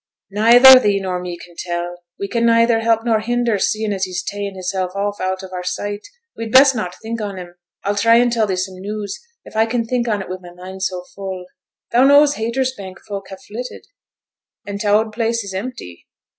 'Neither thee nor me can tell; we can neither help nor hinder, seein' as he's ta'en hissel' off out on our sight, we'd best not think on him. A'll try an' tell thee some news, if a can think on it wi' my mind so full. Thou knows Haytersbank folk ha' flitted, and t' oud place is empty?'